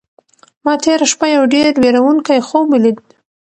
ما تېره شپه یو ډېر وېروونکی خوب ولید.